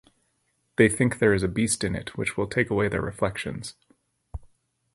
They think there is a beast in it which will take away their reflections.